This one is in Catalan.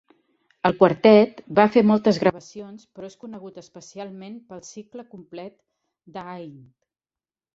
El Quartet va fer moltes gravacions, però és conegut especialment pel cicle complet de Haydn.